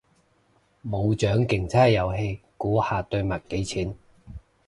冇獎競猜遊戲，估下對襪幾錢？